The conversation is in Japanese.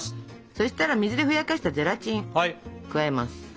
そしたら水でふやかしたゼラチン加えます。